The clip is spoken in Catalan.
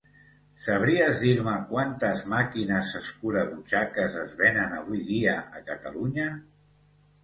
Sabries dir-me quantes màquines escurabutxaques es venen avui dia a Catalunya?